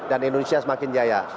dan indonesia semakin jaya